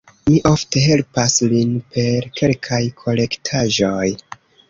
Mi ofte helpas lin per kelkaj korektaĵoj.